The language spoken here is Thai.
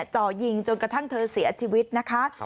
จ่อยิงจนกระทั่งเธอเสียชีวิตนะคะ